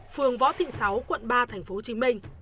phường võ thịnh sáu quận ba tp hcm